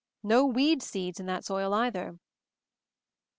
No weed seeds in that soil, either."